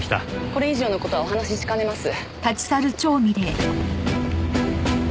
これ以上の事はお話ししかねます。